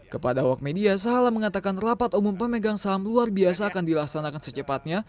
kepada wak media sahala mengatakan rapat umum pemegang saham luar biasa akan dilaksanakan secepatnya